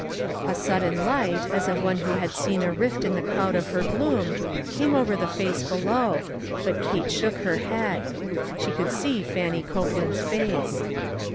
A sudden light, as of one who had seen a rift in the cloud of her gloom, came over the face below, but Kate shook her head ; she could see Fannie Copeland's face.